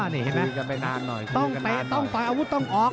นี่เห็นไหมต้องเตะต้องต่อยอาวุธต้องออก